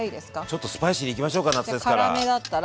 ちょっとスパイシーにいきましょうか夏ですから。